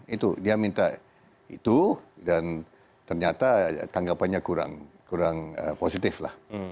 itu dia minta itu dan ternyata tanggapannya kurang positif lah